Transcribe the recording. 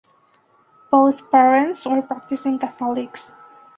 Both parents were practicing Catholics.